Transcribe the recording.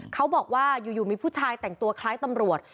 เขาบอกว่าอยู่มีผู้ชายแต่งตัวคล้ายตำรวจ